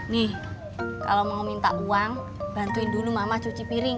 nih kalau mau minta uang bantuin dulu mama cuci piring